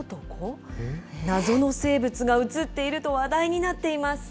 謎の生物が写っていると話題になっています。